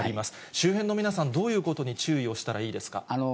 周辺の皆さん、どういうことに注意をしたらいいですか。